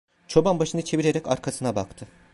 Çoban başını çevirerek arkasına baktı.